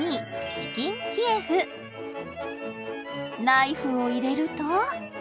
ナイフを入れると。